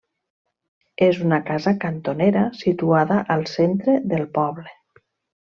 És una casa cantonera situada al centre del poble.